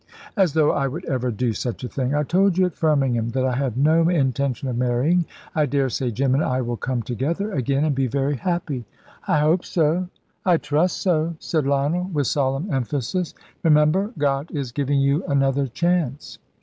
"As though I would ever do such a thing! I told you at Firmingham that I had no intention of marrying. I daresay Jim and I will come together again, and be very happy." "I hope so I trust so," said Lionel, with solemn emphasis. "Remember, God is giving you another chance."